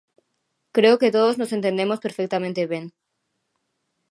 Creo que todos nos entendemos perfectamente ben.